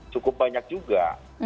cukup banyak juga